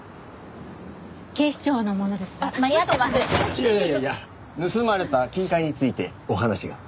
いやいやいやいや盗まれた金塊についてお話が。